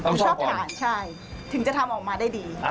ต้องชอบก่อนใช่ถึงจะทำออกมาได้ดี